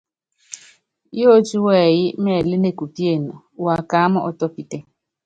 Yótí wɛyí mɛlɛ́ nekupíene, wakaáma ɔ́tɔ́pítɛ.